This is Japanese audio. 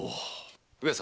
上様。